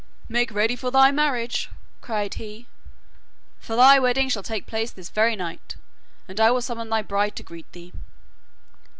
'Make ready for thy marriage,' cried he, 'for the wedding shall take place this very night, and I will summon thy bride to greet thee.